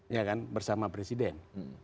ya kan bersama presiden